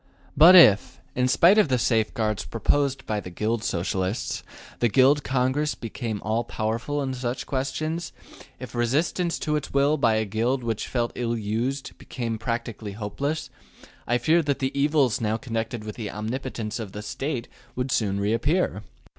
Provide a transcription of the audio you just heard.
But if, in spite of the safeguards proposed by the Guild Socialists, the Guild Congress became all powerful in such questions, if resistance to its will by a Guild which felt ill used became practically hopeless, I fear that the evils now connected with the omnipotence of the State would soon reappear.